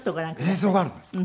映像があるんですか？